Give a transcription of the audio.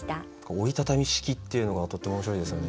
「折りたたみ式」っていうのがとっても面白いですよね。